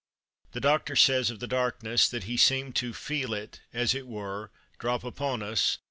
The Doctor says of the darkness that he seemed to "feel it, as it were, drop upon us